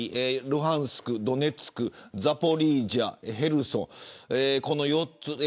ルハンスク、ドネツクザポリージャ、ヘルソンの４つ。